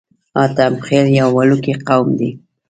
حاتم خيل يو وړوکی قوم دی.